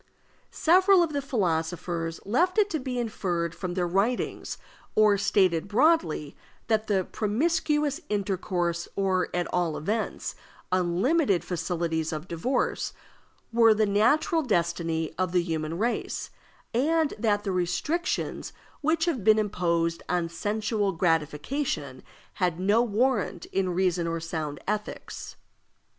Several of the philosophers left it to be inferred from their writings, or stated broadly, that promiscuous intercourse, or, at all events, unlimited facilities of divorce, were the natural destiny of the human race, and that the restrictions which have been imposed on sensual gratification had no warrant in reason or sound ethics.